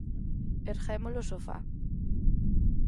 Erguémo-lo sofá